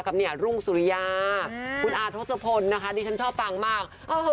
กับรุ่งสุริยาคุณอ้าทศพลนะคะที่ชอบฟังมาก